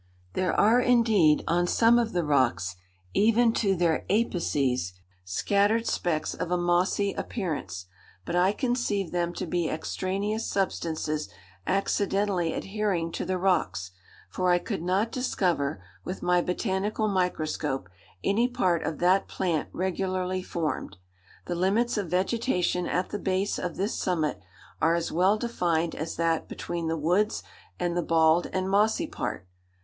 There are indeed, on some of the rocks, even to their apices, scattered specks of a mossy appearance; but I conceive them to be extraneous substances accidentally adhering to the rocks, for I could not discover, with my botanical microscope, any part of that plant regularly formed. The limits of vegetation at the base of this summit are as well defined as that between the woods and the bald and mossy part.